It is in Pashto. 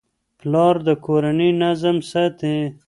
پلار د کورنۍ نظم ساتي.